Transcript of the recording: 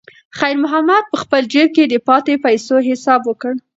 خیر محمد په خپل جېب کې د پاتې پیسو حساب وکړ.